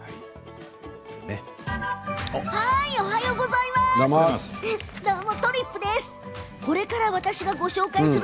おはようございます。